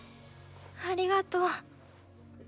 ありがと。